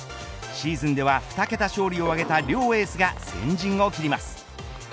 シーズンでは２桁勝利を挙げた両エースが先陣を切ります。